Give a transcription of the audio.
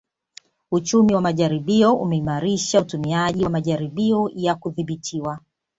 Uchumi wa majaribio umeimarisha utumiaji wa majaribio ya kudhibitiwa